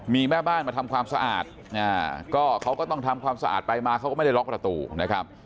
มีแม่บ้านมาทำความสะอาดก็เขาก็ต้องทำความสะอาดไปมาเขาก็ไม่ได้ล็อกประตูนะครับ